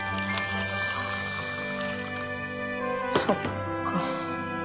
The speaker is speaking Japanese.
そっか。